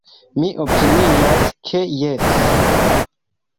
Mi opinias ke jes.